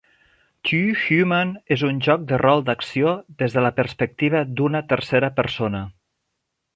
"Too Human" és un joc de rol d'acció des de la perspectiva d'una tercera persona.